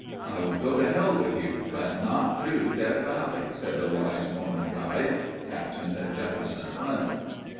"I will go to hell with you, but not through Death Valley," said the wise Mormon guide, Captain Jefferson Hunt.